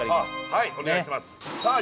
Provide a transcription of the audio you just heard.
はいお願いしますさあ